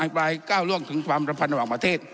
ปลายก้าวล่วงถึงความสัมพันธ์ระหว่างประเทศ